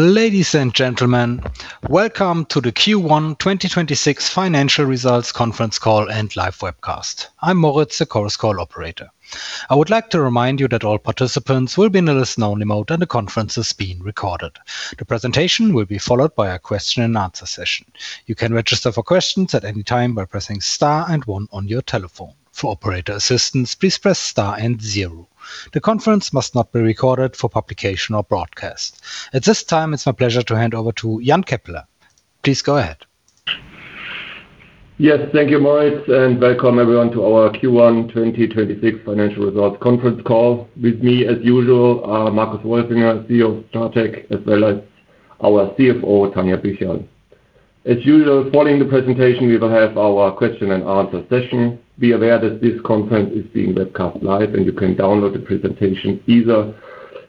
Ladies and gentlemen, welcome to the Q1 2026 financial results conference call and live webcast. I'm Moritz, the Chorus Call operator. I would like to remind you that all participants will be in a listen-only mode, and the conference is being recorded. The presentation will be followed by a question-and-answer session. You can register for questions at any time by pressing star and one on your telephone. For operator assistance, please press star and zero. The conference must not be recorded for publication or broadcast. At this time, it's my pleasure to hand over to Jan Keppeler. Please go ahead. Yes. Thank you, Moritz, and welcome everyone to our Q1 2026 financial results conference call. With me, as usual, Marcus Wolfinger, CEO of Stratec, as well as our CFO, Tanja Bücherl. As usual, following the presentation, we will have our question-and-answer session. Be aware that this conference is being webcast live, and you can download the presentation either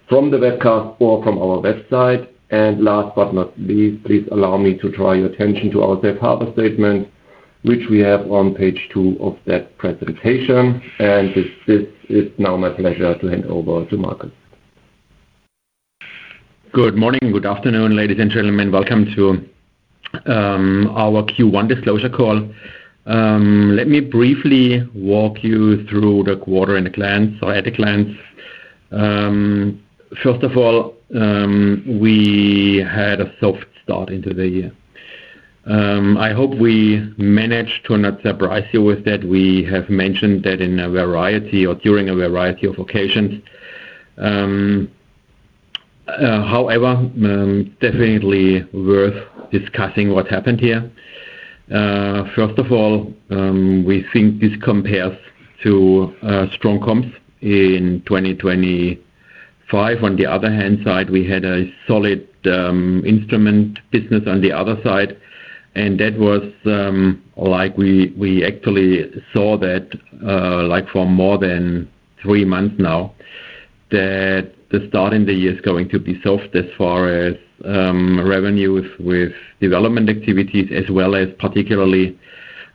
from the webcast or from our website. Last but not least, please allow me to draw your attention to our Safe Harbor statement, which we have on page two of that presentation. It's now my pleasure to hand over to Marcus. Good morning. Good afternoon, ladies and gentlemen. Welcome to our Q1 disclosure call. Let me briefly walk you through the quarter in a glance or at a glance. First of all, we had a soft start into the year. I hope we managed to not surprise you with that. We have mentioned that in a variety or during a variety of occasions. However, definitely worth discussing what happened here. First of all, we think this compares to strong comps in 2025. On the other hand side, we had a solid instrument business on the other side, and that was like we actually saw that like for more than three months now that the start in the year is going to be soft as far as revenue with development activities, as well as particularly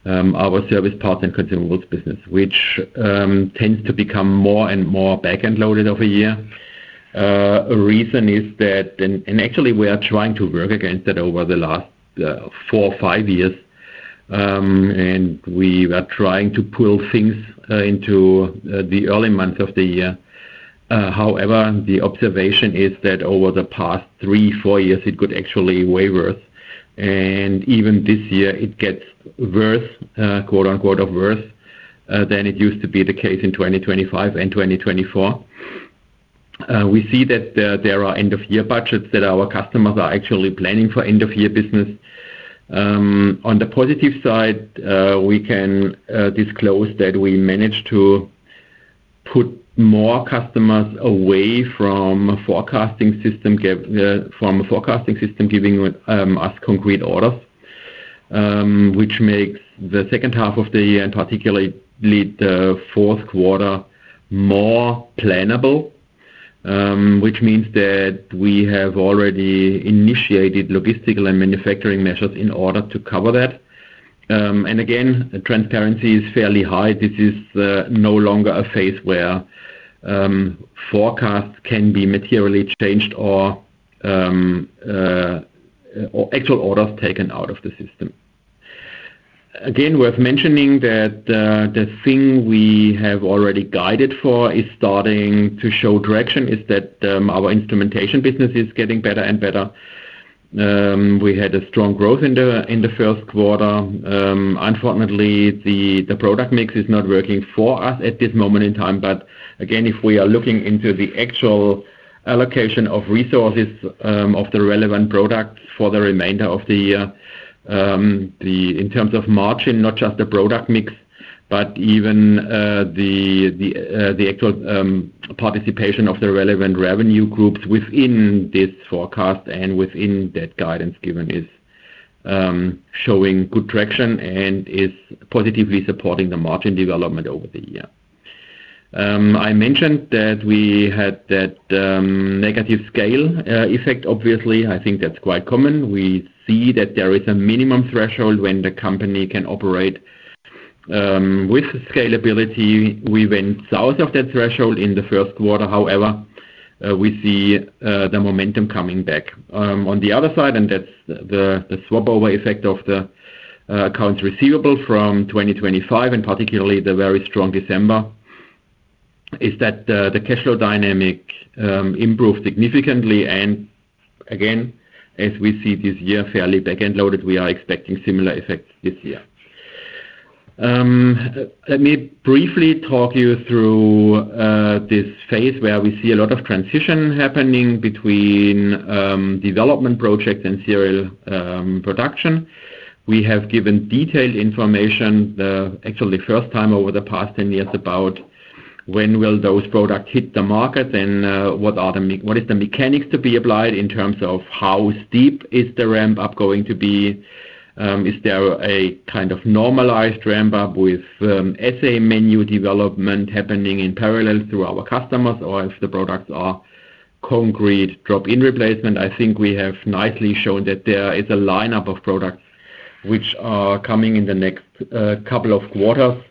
our service parts and consumables business, which tends to become more and more back-end loaded over year. Actually, we are trying to work against that over the last four or five years, and we are trying to pull things into the early months of the year. However, the observation is that over the past three, four years, it could actually waver. Even this year it gets worse, quote, unquote, "worse," than it used to be the case in 2025 and 2024. We see that there are end-of-year budgets that our customers are actually planning for end-of-year business. On the positive side, we can disclose that we managed to put more customers away from a forecasting system, giving us concrete orders, which makes the second half of the year, and particularly the fourth quarter, more plannable. Which means that we have already initiated logistical and manufacturing measures in order to cover that. Again, transparency is fairly high. This is no longer a phase where forecasts can be materially changed or actual orders taken out of the system. Again, worth mentioning that the thing we have already guided for is starting to show direction is that our instrumentation business is getting better and better. We had a strong growth in the first quarter. Unfortunately, the product mix is not working for us at this moment in time. Again, if we are looking into the actual allocation of resources of the relevant products for the remainder of the year, in terms of margin, not just the product mix, but even the actual participation of the relevant revenue groups within this forecast and within that guidance given is showing good traction and is positively supporting the margin development over the year. I mentioned that we had that negative scale effect, obviously. I think that's quite common. We see that there is a minimum threshold when the company can operate with scalability. We went south of that threshold in the first quarter. However, we see the momentum coming back. On the other side, and that's the swap-over effect of the accounts receivable from 2025, and particularly the very strong December, is that the cash flow dynamic improved significantly. Again, as we see this year fairly back-end loaded, we are expecting similar effects this year. Let me briefly talk you through this phase where we see a lot of transition happening between development project and serial production. We have given detailed information, actually the 1st time over the past 10 years about when will those products hit the market and what are the mechanics to be applied in terms of how steep is the ramp-up going to be? Is there a kind of normalized ramp-up with assay menu development happening in parallel through our customers or if the products are concrete drop-in replacement? I think we have nicely shown that there is a lineup of products which are coming in the next couple of quarters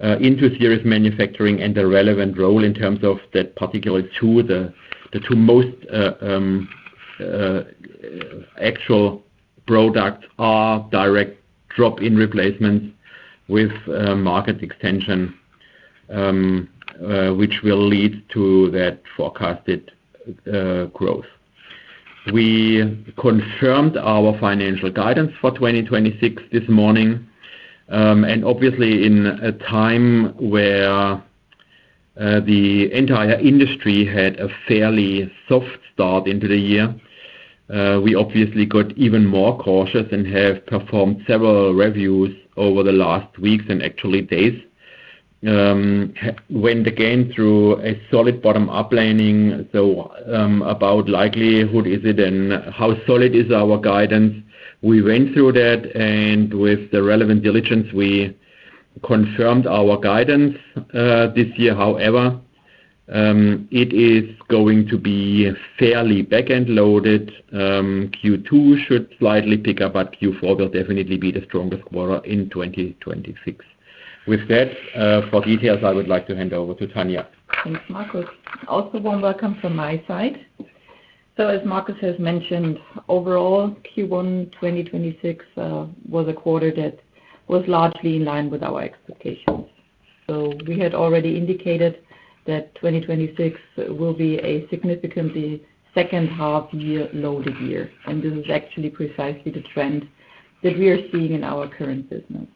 into series manufacturing and the relevant role in terms of that particular two. The two most actual product are direct drop-in replacements with market extension, which will lead to that forecasted growth. We confirmed our financial guidance for 2026 this morning. Obviously, in a time where the entire industry had a fairly soft start into the year, we obviously got even more cautious and have performed several reviews over the last weeks and actually days. Went again through a solid bottom-up planning, about likelihood is it and how solid is our guidance. We went through that, with the relevant diligence, we confirmed our guidance this year. It is going to be fairly back-end loaded. Q2 should slightly pick up, Q4 will definitely be the strongest quarter in 2026. With that, for details, I would like to hand over to Tanja. Thanks, Marcus. Warm welcome from my side. As Marcus has mentioned, overall Q1 2026 was a quarter that was largely in line with our expectations. We had already indicated that 2026 will be a significantly second half year loaded year, and this is actually precisely the trend that we are seeing in our current business.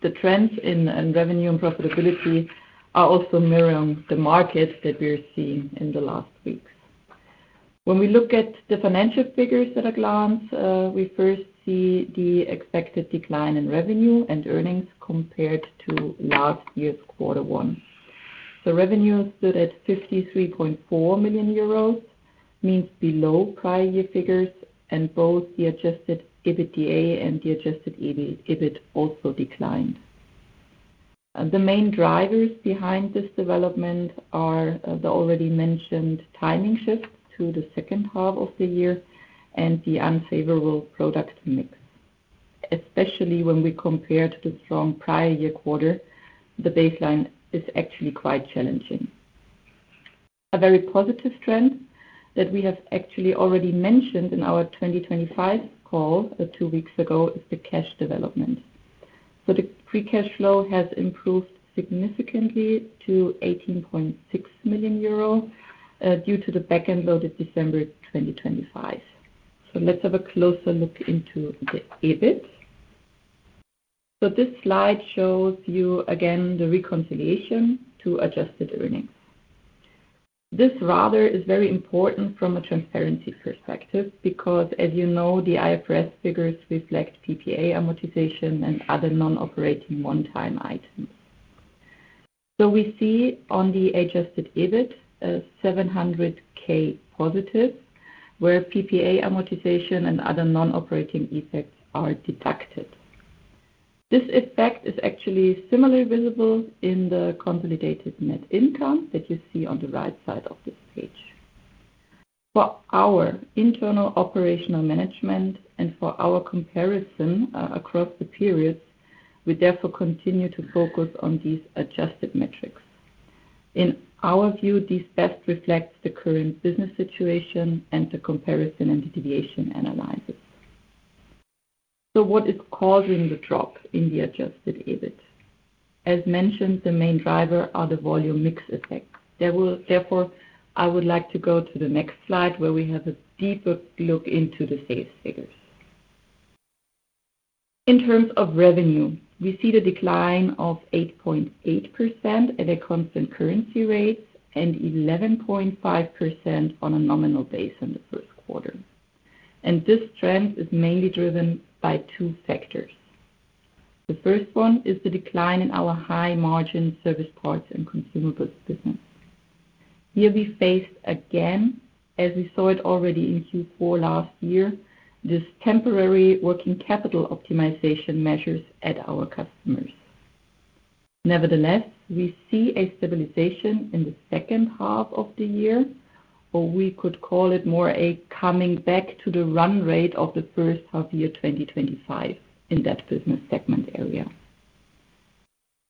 The trends in revenue and profitability are also mirroring the market that we are seeing in the last weeks. When we look at the financial figures at a glance, we first see the expected decline in revenue and earnings compared to last year's quarter one. The revenue stood at 53.4 million euros, means below prior year figures, and both the adjusted EBITDA and the adjusted EBIT also declined. The main drivers behind this development are the already mentioned timing shifts to the second half of the year and the unfavorable product mix. Especially when we compare to the strong prior year quarter, the baseline is actually quite challenging. A very positive trend that we have actually already mentioned in our 2025 call, two weeks ago, is the cash development. The free cash flow has improved significantly to 18.6 million euro due to the back-end load of December 2025. Let's have a closer look into the EBIT. This slide shows you again the reconciliation to adjusted earnings. This rather is very important from a transparency perspective because as you know, the IFRS figures reflect PPA amortization and other non-operating one-time items. We see on the adjusted EBIT a 700,000+, where PPA amortization and other non-operating effects are deducted. This effect is actually similarly visible in the consolidated net income that you see on the right side of this page. For our internal operational management and for our comparison across the periods, we therefore continue to focus on these adjusted metrics. In our view, this best reflects the current business situation and the comparison and deviation analysis. What is causing the drop in the adjusted EBIT? As mentioned, the main driver are the volume mix effect. Therefore, I would like to go to the next slide, where we have a deeper look into the sales figures. In terms of revenue, we see the decline of 8.8% at a constant currency rate and 11.5% on a nominal base in the first quarter. This trend is mainly driven by two factors. The first one is the decline in our high margin service parts and consumables business. Here we faced again, as we saw it already in Q4 last year, this temporary working capital optimization measures at our customers. Nevertheless, we see a stabilization in the second half of the year, or we could call it more a coming back to the run-rate of the first half 2025 in that business segment area.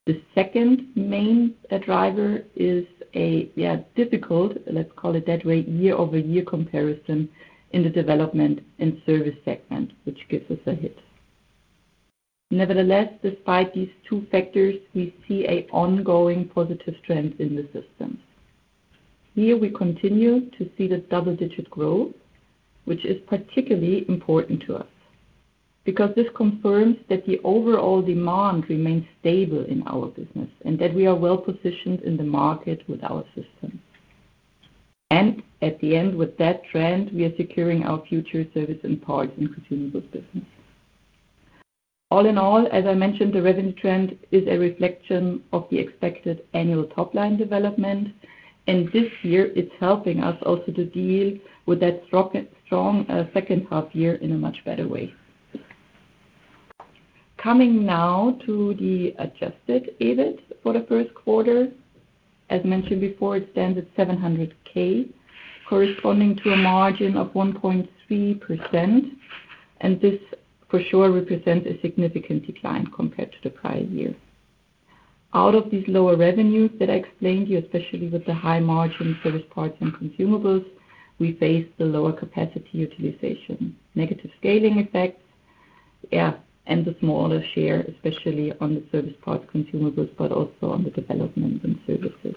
The second main driver is a difficult, let's call it that way, year-over-year comparison in the Development and Services segment, which gives us a hit. Nevertheless, despite these two factors, we see an ongoing positive trend in the systems. Here we continue to see the double-digit growth, which is particularly important to us because this confirms that the overall demand remains stable in our business and that we are well-positioned in the market with our systems. At the end with that trend, we are securing our future service parts and consumables business. All in all, as I mentioned, the revenue trend is a reflection of the expected annual top line development. This year it's helping us also to deal with that strong second half year in a much better way. Coming now to the adjusted EBIT for the first quarter. As mentioned before, it stands at 700,000, corresponding to a margin of 1.3%, and this for sure represents a significant decline compared to the prior year. Out of these lower revenues that I explained to you, especially with the high margin service parts and consumables, we face the lower capacity utilization, negative scaling effects, yeah, and the smaller share, especially on the service part consumables, but also on the development and services.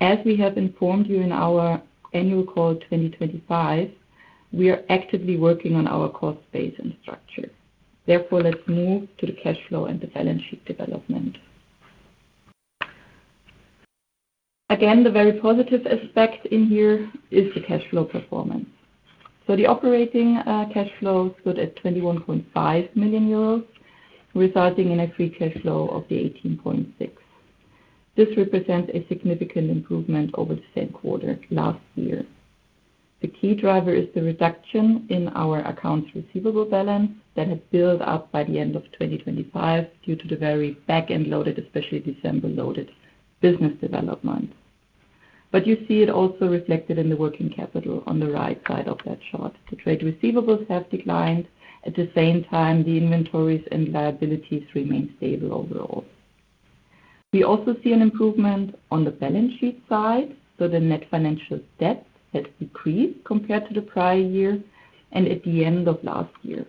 As we have informed you in our annual call 2025, we are actively working on our cost base and structure. Therefore, let's move to the cash flow and development sheet development. Again, the very positive aspect in here is the cash flow performance. The operating cash flow stood at 21.5 million euros, resulting in a free cash flow of 18.6 million. This represents a significant improvement over the same quarter last year. The key driver is the reduction in our accounts receivable balance that had built up by the end of 2025 due to the very back-end loaded, especially December-loaded business development. You see it also reflected in the working capital on the right side of that chart. The trade receivables have declined. At the same time, the inventories and liabilities remain stable overall. We also see an improvement on the balance sheet side, so the net financial debt has decreased compared to the prior year and at the end of last year.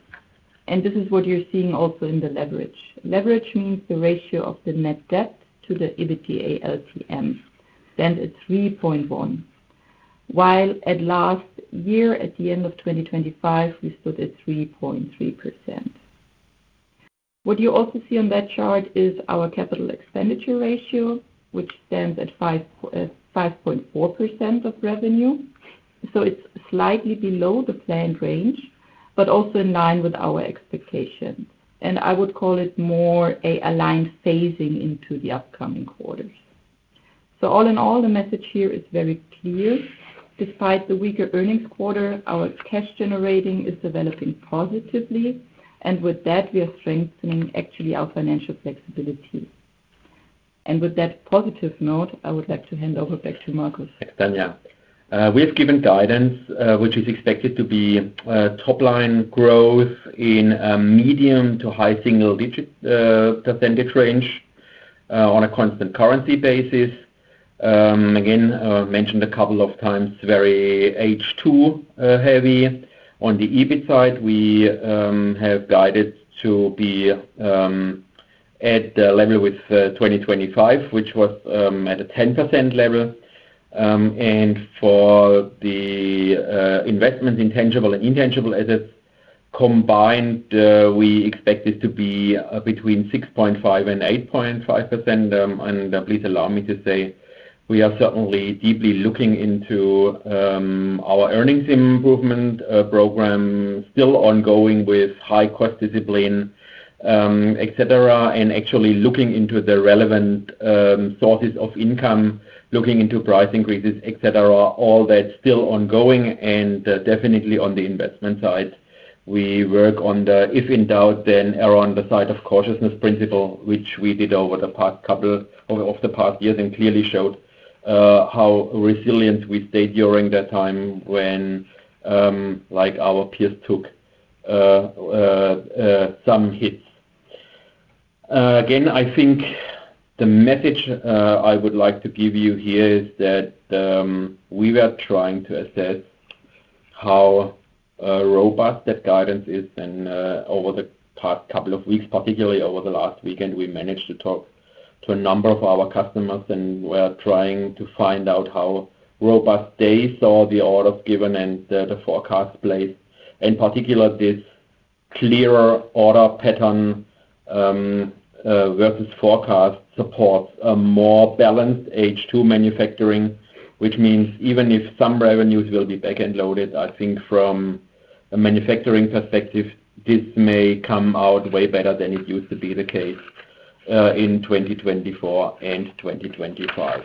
This is what you're seeing also in the leverage. Leverage means the ratio of the net debt to the EBITDA LTM stands at 3.1%. While at last year, at the end of 2025, we stood at 3.3%. What you also see on that chart is our capital expenditure ratio, which stands at 5.4% of revenue. It's slightly below the planned range, but also in line with our expectation. I would call it more a aligned phasing into the upcoming quarters. All in all, the message here is very clear. Despite the weaker earnings quarter, our cash generating is developing positively, and with that, we are strengthening actually our financial flexibility. With that positive note, I would like to hand over back to Marcus. Thanks, Tanja. We have given guidance, which is expected to be top-line growth in medium to high single-digit percentage range on a constant currency basis. Again, mentioned a couple of times, very H2 heavy. On the EBIT side, we have guided to be at the level with 2025, which was at a 10% level. For the investment in tangible and intangible assets combined, we expect it to be between 6.5% and 8.5%. Please allow me to say we are certainly deeply looking into our earnings improvement program still ongoing with high cost discipline, et cetera, and actually looking into the relevant sources of income, looking into price increases, et cetera. All that's still ongoing and definitely on the investment side. We work on the if in doubt, then err on the side of cautiousness principle, which we did over the past couple of the past years and clearly showed how resilient we stayed during that time when, like, our peers took some hits. Again, I think the message I would like to give you here is that we were trying to assess how robust that guidance is. Over the past couple of weeks, particularly over the last weekend, we managed to talk to a number of our customers, and we are trying to find out how robust they saw the orders given and the forecast plays. In particular, this clearer order pattern, versus forecast supports a more balanced H2 manufacturing, which means even if some revenues will be back-end loaded, I think from a manufacturing perspective, this may come out way better than it used to be the case in 2024 and 2025.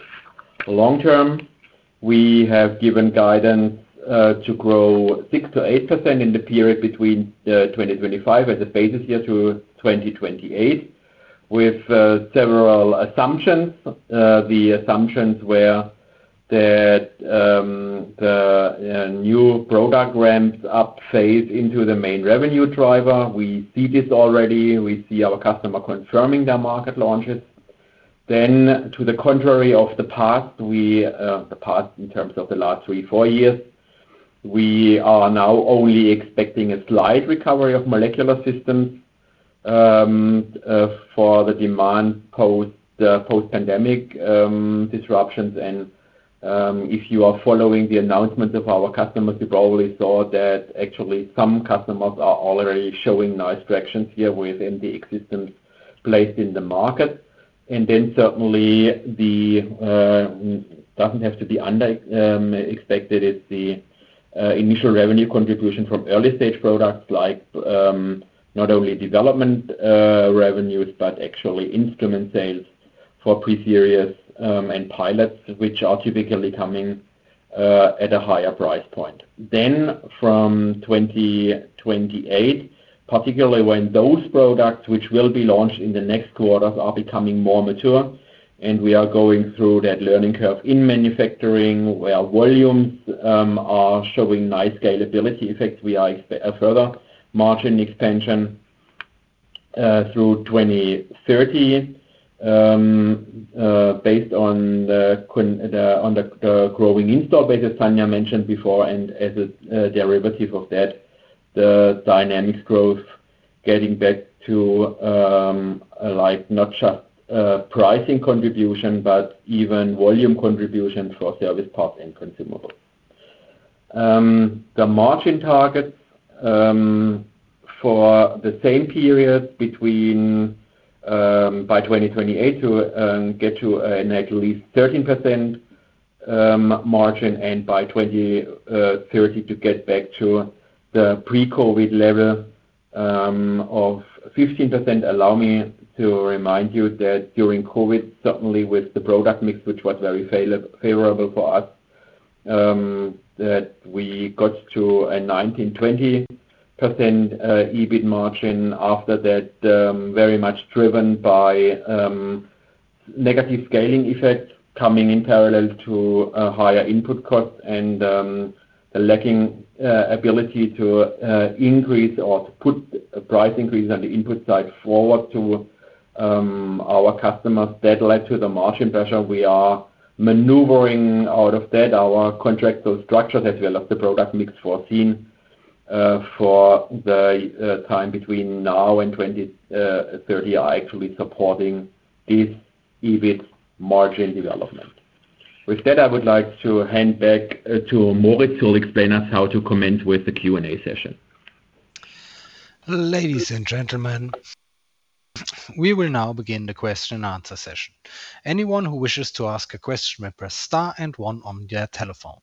Long term, we have given guidance to grow 6%-8% in the period between 2025 as a basis year to 2028 with several assumptions. The assumptions were that the new product ramps up phase into the main revenue driver. We see this already. We see our customer confirming their market launches. To the contrary of the past, we, the past in terms of the last three, four years, we are now only expecting a slight recovery of molecular systems for the demand post-pandemic disruptions. If you are following the announcements of our customers, you probably saw that actually some customers are already showing nice directions here within the existence place in the market. Certainly the doesn't have to be under expected is the initial revenue contribution from early-stage products like not only development revenues, but actually instrument sales for pre-series and pilots, which are typically coming at a higher price point. From 2028, particularly when those products which will be launched in the next quarters are becoming more mature and we are going through that learning curve in manufacturing where volumes are showing nice scalability effects. We expect a further margin expansion through 2030, based on the growing install base, as Tanja mentioned before, and as a derivative of that, the dynamics growth getting back to like not just pricing contribution, but even volume contribution for service parts and consumables. The margin targets for the same period between by 2028 to get to an at least 13% margin and by 2030 to get back to the pre-COVID-19 level of 15%. Allow me to remind you that during COVID, certainly with the product mix, which was very favorable for us, that we got to a 19%-20% EBIT margin after that, very much driven by negative scaling effects coming in parallel to higher input costs and a lacking ability to increase or to put a price increase on the input side forward to our customers. That led to the margin pressure. We are maneuvering out of that. Our contractual structure that we allow the product mix foreseen for the time between now and 2030 are actually supporting this EBIT margin development. With that, I would like to hand back to Moritz to explain us how to commence with the Q&A session. Ladies and gentlemen, we will now begin the question-and-answer session. Anyone who wishes to ask a question may press star and one on their telephone.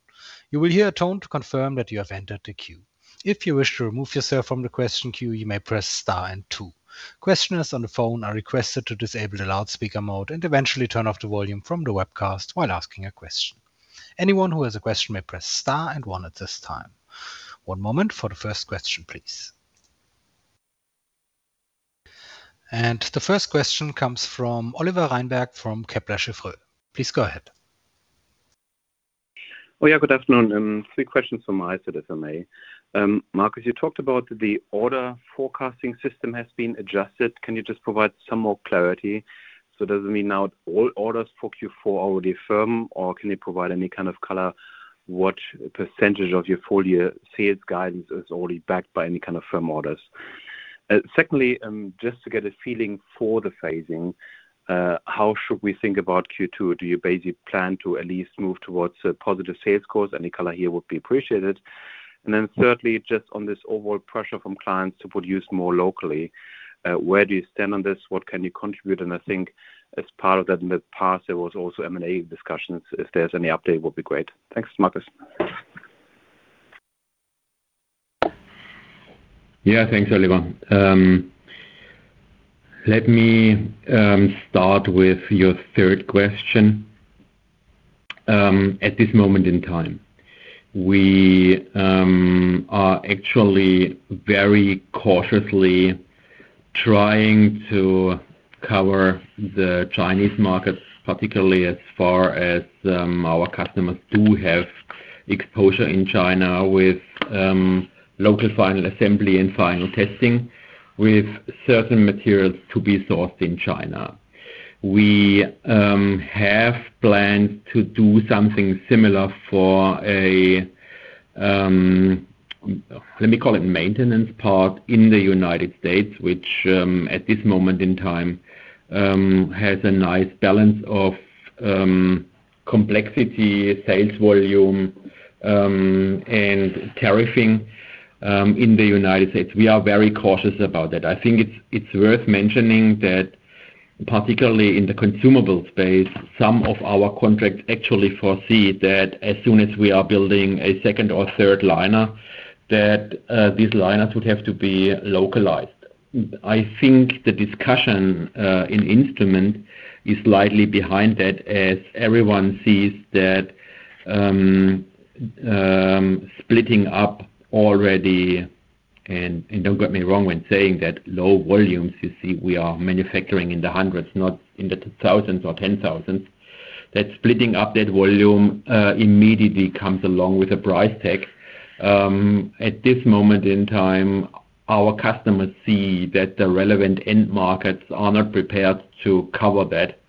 You will hear a tone to confirm that you have entered the queue. If you wish to remove yourself from the question queue, you may press star and two. Questioners on the phone are requested to disable the loudspeaker mode and eventually turn off the volume from the webcast while asking a question. Anyone who has a question may press star and one at this time. One moment for the first question, please. The first question comes from Oliver Reinberg from Kepler Cheuvreux. Please go ahead. Yeah. Good afternoon. Three questions from my side, if I may. Marcus, you talked about the order forecasting system has been adjusted. Can you just provide some more clarity? Does it mean now all orders for Q4 are already firm, or can you provide any kind of color what percentage of your full year sales guidance is already backed by any kind of firm orders? Secondly, just to get a feeling for the phasing, how should we think about Q2? Do you basically plan to at least move towards a positive sales course? Any color here would be appreciated. Thirdly, just on this overall pressure from clients to produce more locally, where do you stand on this? What can you contribute? I think as part of that midterm path, there was also M&A discussions. If there's any update, it would be great. Thanks, Marcus. Yeah. Thanks, Oliver. Let me start with your third question. At this moment in time, we are actually very cautiously trying to cover the Chinese markets, particularly as far as our customers do have exposure in China with local final assembly and final testing with certain materials to be sourced in China. We have plans to do something similar for a, let me call it maintenance part in the United States, which, at this moment in time, has a nice balance of complexity, sales volume, and tariffing in the United States We are very cautious about that. I think it's worth mentioning that particularly in the consumable space, some of our contracts actually foresee that as soon as we are building a second or third liner, that these liners would have to be localized. I think the discussion in instrument is slightly behind that as everyone sees that splitting up already, and don't get me wrong when saying that low volumes, you see we are manufacturing in the hundreds, not in the thousands or ten thousands. That splitting up that volume immediately comes along with a price tag. At this moment in time, our customers see that the relevant end markets are not prepared to cover that.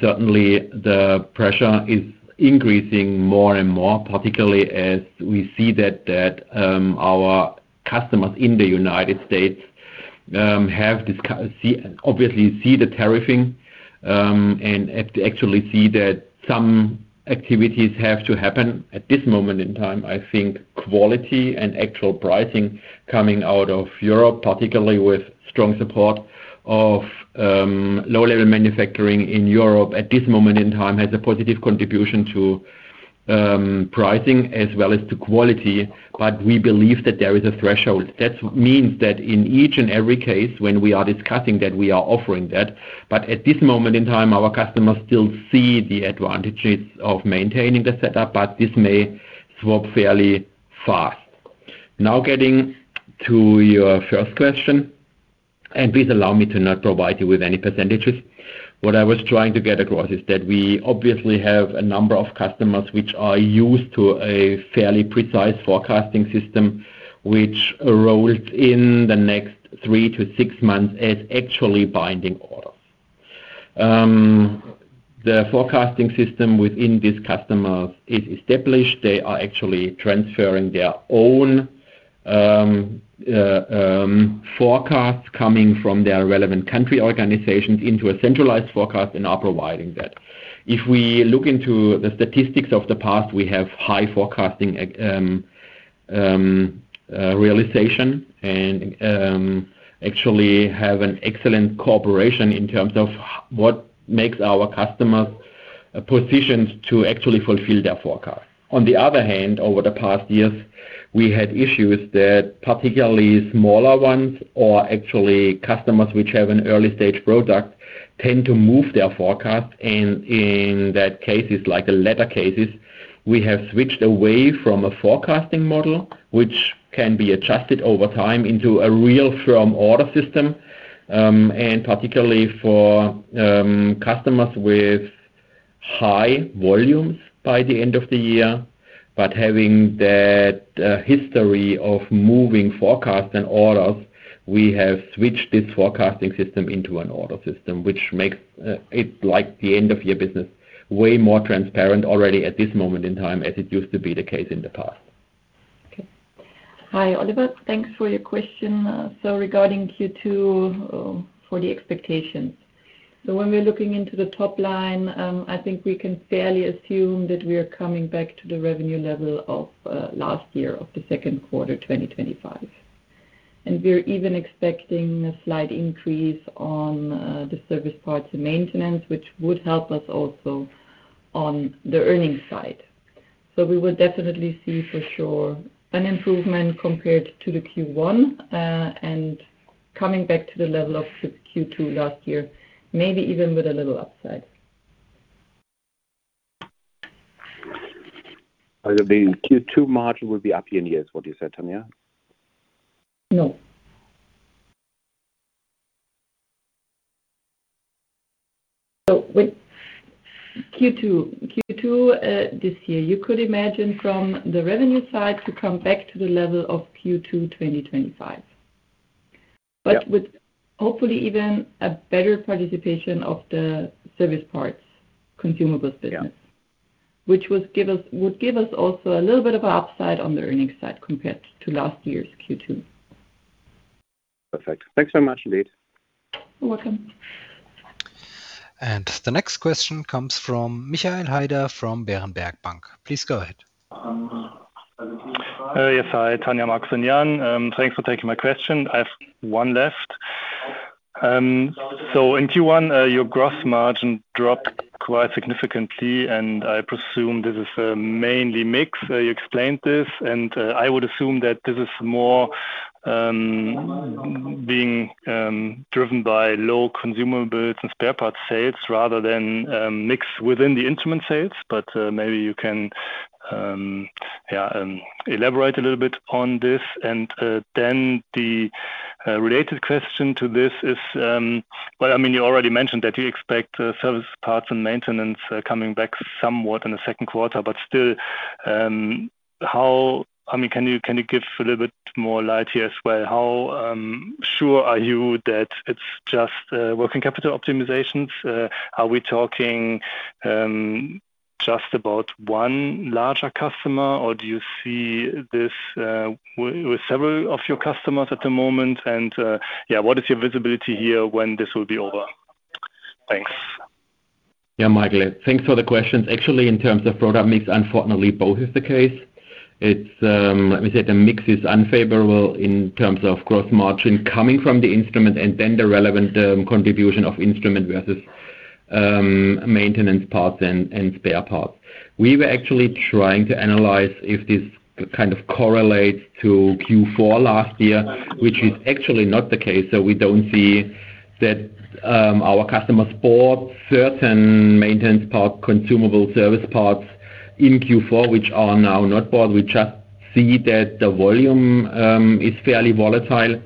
Certainly, the pressure is increasing more and more, particularly as we see that our customers in the United States see, obviously see the tariffing, and actually see that some activities have to happen. At this moment in time, I think quality and actual pricing coming out of Europe, particularly with strong support of low-level manufacturing in Europe at this moment in time, has a positive contribution to pricing as well as to quality, but we believe that there is a threshold. In each and every case when we are discussing that, we are offering that. At this moment in time, our customers still see the advantages of maintaining the setup, but this may swap fairly fast. Getting to your first question, please allow me to not provide you with any percentages. What I was trying to get across is that we obviously have a number of customers which are used to a fairly precise forecasting system, which rolls in the next 3 to 6 months as actually binding orders. The forecasting system within these customers is established. They are actually transferring their own forecasts coming from their relevant country organizations into a centralized forecast and are providing that. If we look into the statistics of the past, we have high forecasting realization and actually have an excellent cooperation in terms of what makes our customers positioned to actually fulfill their forecast. On the other hand, over the past years, we had issues that particularly smaller ones or actually customers which have an early-stage product tend to move their forecast. In that cases, like the latter cases, we have switched away from a forecasting model, which can be adjusted over time into a real firm order system, and particularly for customers with high volumes by the end of the year. Having that, history of moving forecast and orders, we have switched this forecasting system into an order system, which makes it like the end of year business way more transparent already at this moment in time as it used to be the case in the past. Okay. Hi, Oliver. Thanks for your question. Regarding Q2, for the expectations. When we're looking into the top line, I think we can fairly assume that we are coming back to the revenue level of last year of the second quarter 2025. We're even expecting a slight increase on the service parts maintenance, which would help us also on the earnings side. We will definitely see for sure an improvement compared to the Q1 and coming back to the level of Q2 last year, maybe even with a little upside. The Q2 margin will be up year-over-year is what you said, Tanja? No. With Q2, this year, you could imagine from the revenue side to come back to the level of Q2 2025. Yeah. With hopefully even a better participation of the service parts consumables business. Yeah. Would give us also a little bit of a upside on the earnings side compared to last year's Q2. Perfect. Thanks very much indeed. You're welcome. The next question comes from Michael Heider from Berenberg Bank. Please go ahead. Yes. Hi, Tanja, Marcus and Jan. Thanks for taking my question. I have one left. In Q1, your gross margin dropped quite significantly, and I presume this is mainly mix. You explained this, and I would assume that this is more being driven by low consumables and spare parts sales rather than mix within the instrument sales. Maybe you can elaborate a little bit on this. Then the related question to this is, well, I mean, you already mentioned that you expect service parts and maintenance coming back somewhat in the second quarter, but still, I mean, can you give a little bit more light here as well? How sure are you that it's just working capital optimizations? Are we talking just about one larger customer, or do you see this with several of your customers at the moment? Yeah, what is your visibility here when this will be over? Thanks. Yeah, Michael. Thanks for the questions. Actually, in terms of product mix, unfortunately, both is the case. It's, let me say the mix is unfavorable in terms of gross margin coming from the instrument and then the relevant contribution of instrument versus maintenance parts and spare parts. We were actually trying to analyze if this kind of correlates to Q4 last year, which is actually not the case. We don't see that our customers bought certain maintenance part consumable service parts in Q4, which are now not bought. We just see that the volume is fairly volatile.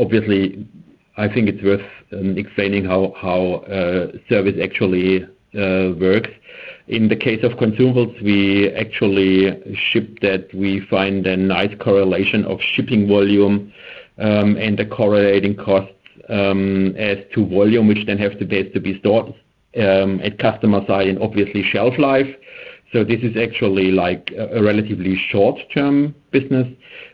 Obviously, I think it's worth explaining how service actually works. In the case of consumables, we actually ship that. We find a nice correlation of shipping volume, and the correlating costs, as to volume, which then have the days to be stored, at customer side and obviously shelf life. This is actually like a relatively short-term business.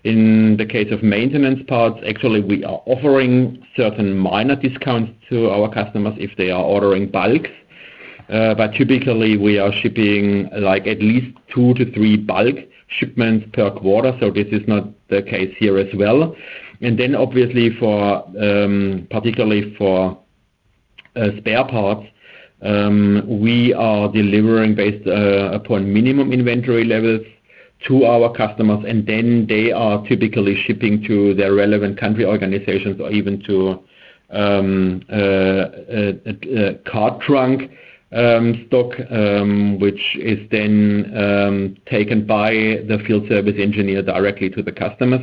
In the case of maintenance parts, actually, we are offering certain minor discounts to our customers if they are ordering bulk. Typically we are shipping like at least two to three bulk shipments per quarter, so this is not the case here as well. Obviously for, particularly for, spare parts, we are delivering based, upon minimum inventory levels to our customers, and then they are typically shipping to their relevant country organizations or even to, a car trunk, stock, which is then, taken by the field service engineer directly to the customers.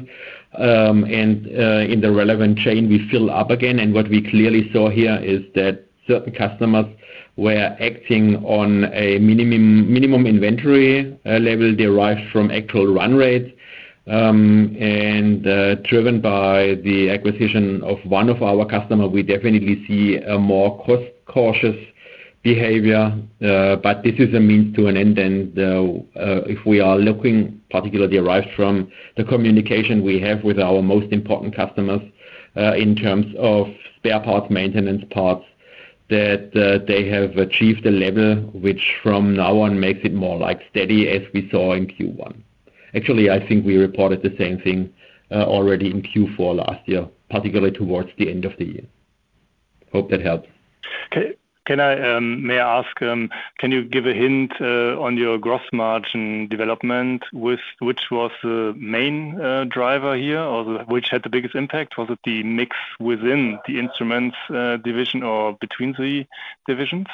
In the relevant chain, we fill up again. What we clearly saw here is that certain customers were acting on a minimum inventory level derived from actual run-rates. Driven by the acquisition of one of our customer, we definitely see a more cost cautious behavior, but this is a means to an end. If we are looking particularly derived from the communication we have with our most important customers, in terms of spare parts, maintenance parts, that they have achieved a level which from now on makes it more like steady as we saw in Q1. Actually, I think we reported the same thing already in Q4 last year, particularly towards the end of the year. Hope that helps. Can I, may I ask, can you give a hint on your gross margin development with which was the main driver here or which had the biggest impact? Was it the mix within the instruments division or between the divisions?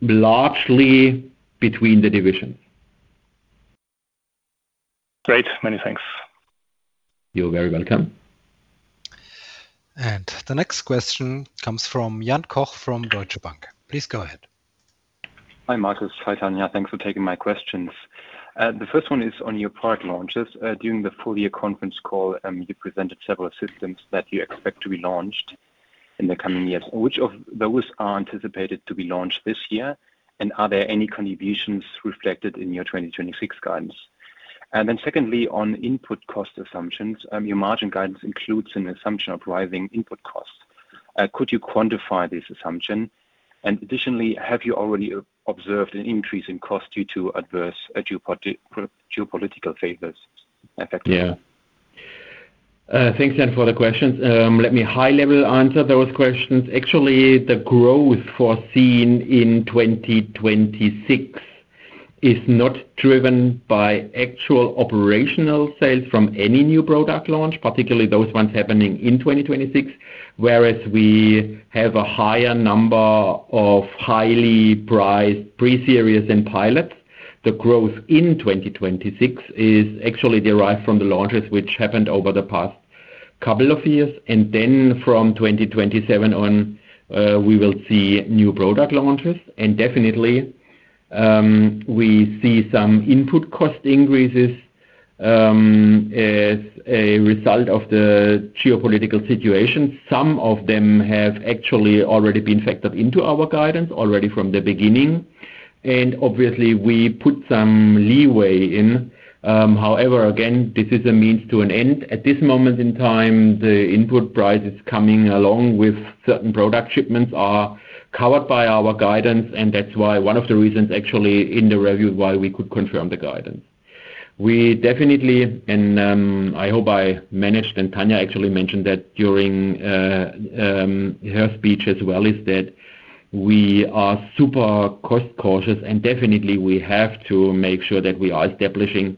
Largely between the divisions. Great. Many thanks. You're very welcome. The next question comes from Jan Koch from Deutsche Bank. Please go ahead. Hi, Marcus. Hi, Tanja. Thanks for taking my questions. The first one is on your product launches. During the full year conference call, you presented several systems that you expect to be launched in the coming years. Which of those are anticipated to be launched this year? Are there any contributions reflected in your 2026 guidance? Secondly, on input cost assumptions, your margin guidance includes an assumption of rising input costs. Could you quantify this assumption? Additionally, have you already observed an increase in cost due to adverse geopolitical favors affecting you? Yeah. Thanks, Jan, for the questions. Let me high level answer those questions. Actually, the growth foreseen in 2026 is not driven by actual operational sales from any new product launch, particularly those ones happening in 2026. We have a higher number of highly prized pre-series and pilots. The growth in 2026 is actually derived from the launches which happened over the past couple of years. From 2027 on, we will see new product launches. Definitely, we see some input cost increases as a result of the geopolitical situation. Some of them have actually already been factored into our guidance already from the beginning. Obviously, we put some leeway in. However, again, this is a means to an end. At this moment in time, the input prices coming along with certain product shipments are covered by our guidance, that's why one of the reasons actually in the review why we could confirm the guidance. We definitely, and I hope I managed, and Tanja actually mentioned that during her speech as well, is that we are super cost cautious. Definitely, we have to make sure that we are establishing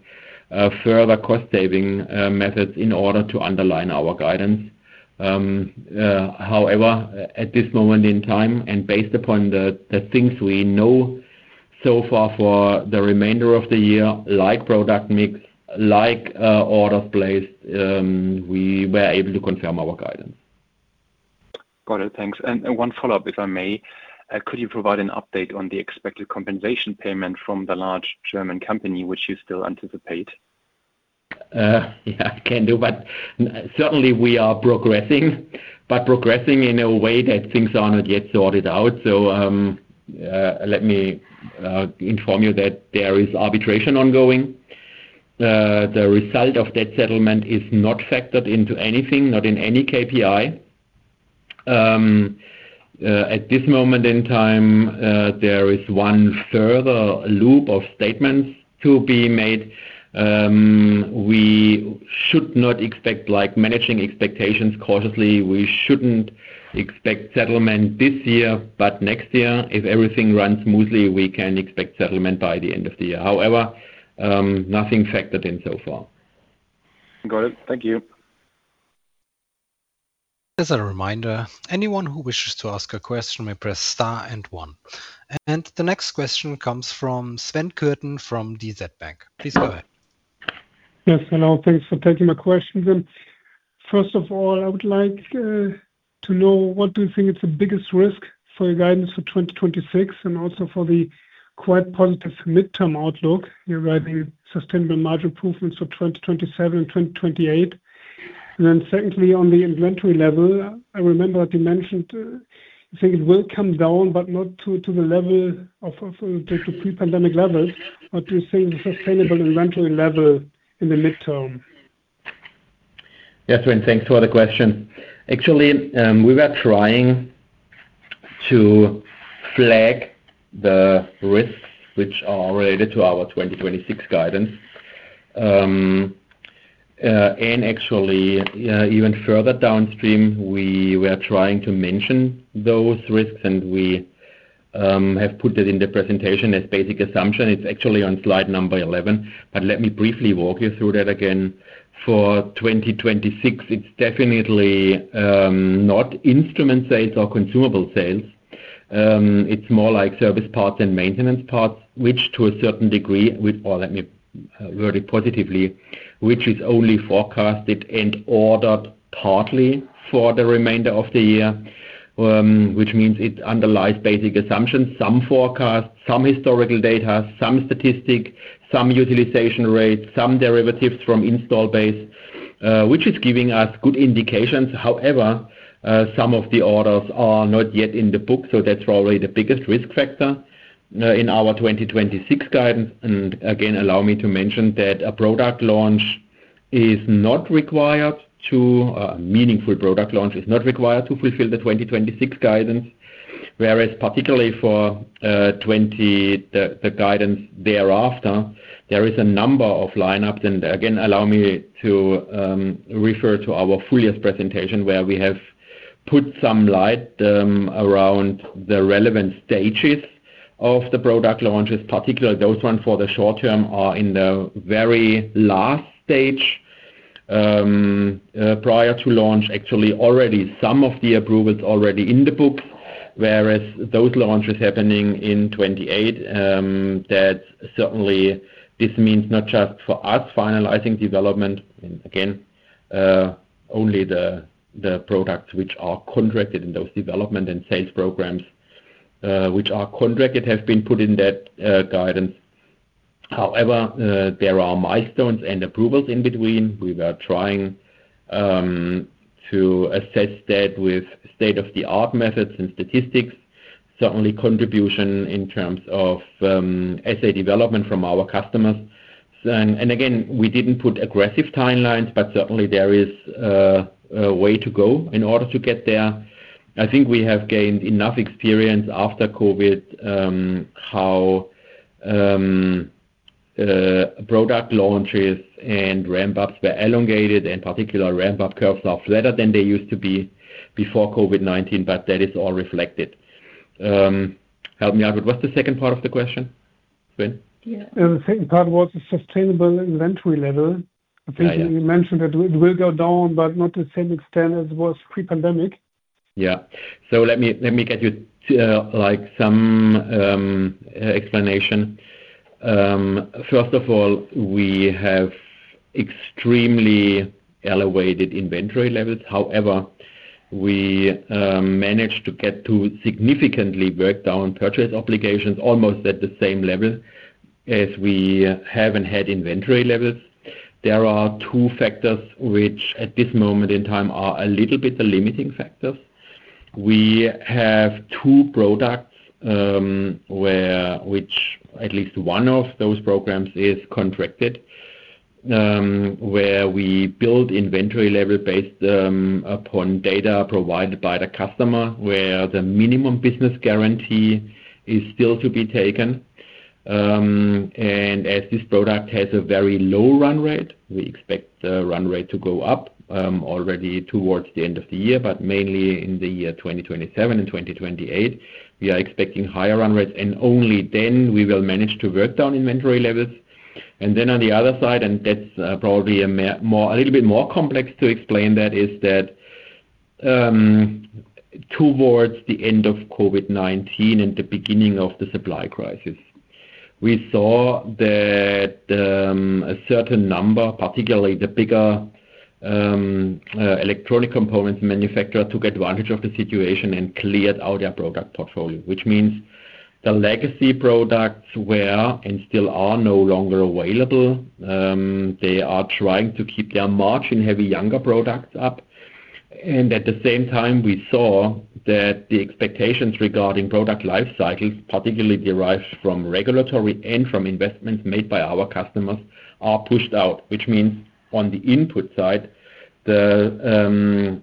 further cost saving methods in order to underline our guidance. However, at this moment in time and based upon the things we know so far for the remainder of the year, like product mix, like orders placed, we were able to confirm our guidance. Got it. Thanks. One follow-up, if I may. Could you provide an update on the expected compensation payment from the large German company, which you still anticipate? Yeah, can do. Certainly, we are progressing, but progressing in a way that things are not yet sorted out. Let me inform you that there is arbitration ongoing. The result of that settlement is not factored into anything, not in any KPI. At this moment in time, there is one further loop of statements to be made. We should not expect, like, managing expectations cautiously. We shouldn't expect settlement this year, but next year, if everything runs smoothly, we can expect settlement by the end of the year. However, nothing factored in so far. Got it. Thank you. As a reminder, anyone who wishes to ask a question may press star and one. The next question comes from Sven Kürten from DZ Bank. Please go ahead. Yes. Hello. Thanks for taking my questions. First of all, I would like to know what do you think is the biggest risk for your guidance for 2026 and also for the quite positive midterm outlook. You're writing sustainable margin improvements for 2027 and 2028. Secondly, on the inventory level, I remember that you mentioned, I think it will come down, but not to the level of pre-pandemic levels. What do you think the sustainable inventory level in the midterm? Sven, thanks for the question. Actually, we were trying to flag the risks which are related to our 2026 guidance. Actually, even further downstream, we were trying to mention those risks, and we have put it in the presentation as basic assumption. It's actually on slide number 11, let me briefly walk you through that again. For 2026, it's definitely not instrument sales or consumable sales. It's more like service parts and maintenance parts, which to a certain degree Or let me word it positively, which is only forecasted and ordered partly for the remainder of the year, which means it underlies basic assumptions, some forecast, some historical data, some statistics, some utilization rate, some derivatives from install base, which is giving us good indications. However, some of the orders are not yet in the book, so that's probably the biggest risk factor in our 2026 guidance. Again, allow me to mention that a meaningful product launch is not required to fulfill the 2026 guidance. Particularly for the guidance thereafter, there is a number of lineups. Again, allow me to refer to our full year presentation where we have put some light around the relevant stages of the product launches. Particularly, those one for the short term are in the very last stage prior to launch. Actually, already some of the approvals already in the books, whereas those launches happening in 2028, that certainly this means not just for us finalizing development. Only the products which are contracted in those development and sales programs, which are contracted have been put in that guidance. However, there are milestones and approvals in between. We are trying to assess that with state-of-the-art methods and statistics. Certainly contribution in terms of assay development from our customers. Again, we didn't put aggressive timelines, but certainly there is a way to go in order to get there. I think we have gained enough experience after COVID, how product launches and ramp-ups were elongated, and particular ramp-up curves are flatter than they used to be before COVID-19, but that is all reflected. Help me out. What's the second part of the question, Sven? Yeah. The second part was the sustainable inventory level. Yeah, yeah. I think you mentioned that it will go down, but not to the same extent as it was pre-pandemic. Let me get you like some explanation. First of all, we have extremely elevated inventory levels. However, we managed to get to significantly work down purchase obligations almost at the same level as we have and had inventory levels. There are two factors which, at this moment in time, are a little bit the limiting factors. We have two products, which at least one of those programs is contracted, where we build inventory level based upon data provided by the customer, where the minimum business guarantee is still to be taken. As this product has a very low run-rate, we expect the run-rate to go up already towards the end of the year, but mainly in the year 2027 and 2028. We are expecting higher run-rates, only then we will manage to work down inventory levels. Then on the other side, and that's probably a more, a little bit more complex to explain that, is that, towards the end of COVID-19 and the beginning of the supply crisis, we saw that a certain number, particularly the bigger electronic components manufacturer, took advantage of the situation and cleared out their product portfolio, which means the legacy products were and still are no longer available. They are trying to keep their margin, have a younger products up. At the same time, we saw that the expectations regarding product life cycles, particularly derived from regulatory and from investments made by our customers, are pushed out, which means on the input side, the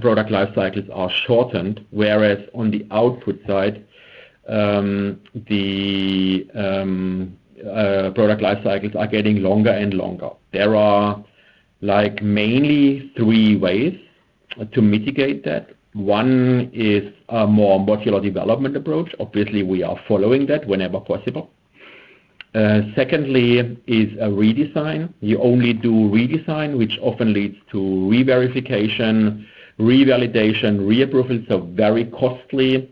product life cycles are shortened, whereas on the output side, the product life cycles are getting longer and longer. There are like mainly three ways to mitigate that. One is a more modular development approach. Obviously, we are following that whenever possible. Secondly is a redesign. You only do redesign, which often leads to re-verification, revalidation, re-approval, so very costly.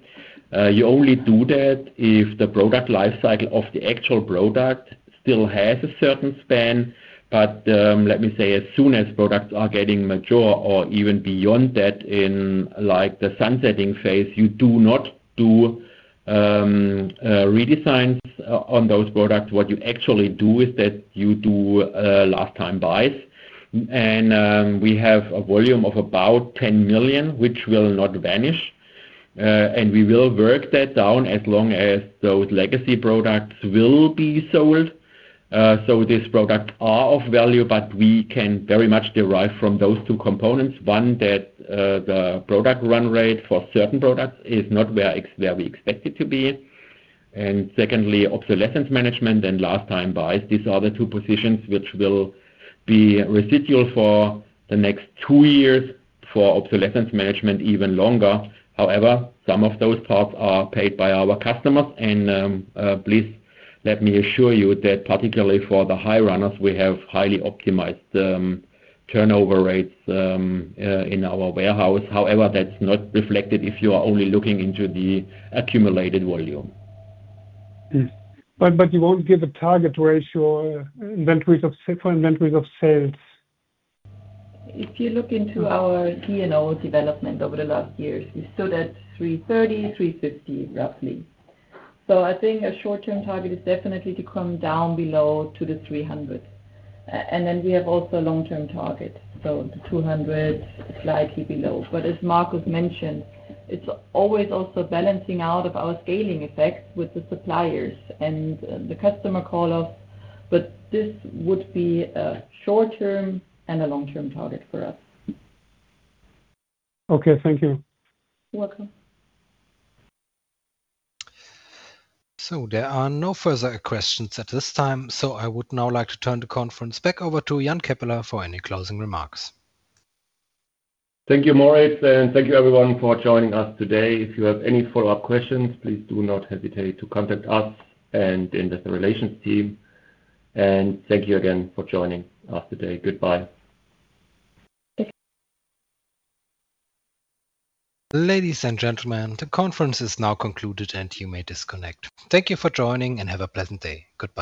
You only do that if the product life cycle of the actual product still has a certain span. Let me say, as soon as products are getting mature or even beyond that in like the sunsetting phase, you do not do redesigns on those products. What you actually do is that you do last time buys. We have a volume of about 10 million, which will not vanish, and we will work that down as long as those legacy products will be sold. These products are of value, but we can very much derive from those two components. One, that the product run-rate for certain products is not where we expect it to be. Secondly, obsolescence management and last time buys. These are the two positions which will be residual for the next two years, for obsolescence management, even longer. However, some of those parts are paid by our customers. Please let me assure you that particularly for the high runners, we have highly optimized turnover rates in our warehouse. However, that is not reflected if you are only looking into the accumulated volume. You won't give a target ratio for inventories of sales. If you look into our DIO development over the last years, we stood at 330, 350, roughly. I think a short-term target is definitely to come down below to the 300. We have also long-term target, so the 200, slightly below. As Marcus mentioned, it's always also balancing out of our scaling effects with the suppliers and the customer call off. This would be a short-term and a long-term target for us. Okay. Thank you. You're welcome. There are no further questions at this time. I would now like to turn the conference back over to Jan Keppeler for any closing remarks. Thank you, Moritz, and thank you everyone for joining us today. If you have any follow-up questions, please do not hesitate to contact us and the investor relations team. Thank you again for joining us today. Goodbye. Thank you. Ladies and gentlemen, the conference is now concluded, and you may disconnect. Thank you for joining, and have a pleasant day. Goodbye.